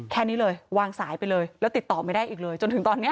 แค่นี้เลยวางสายไปเลยแล้วติดต่อไม่ได้อีกเลยจนถึงตอนนี้